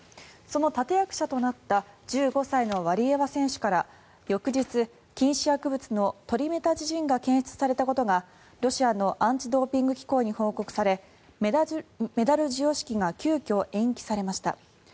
その立役者となった１５歳のワリエワ選手から翌日禁止薬物のトリメタジジンが検出されたことがロシアのアンチ・ドーピング機構に報告されメダル授与式が急きょ、延期されました。